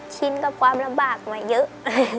ชินกับความลำบากมาเยอะ